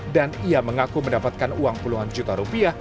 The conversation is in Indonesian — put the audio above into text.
dan ia mengaku mendapatkan uang puluhan juta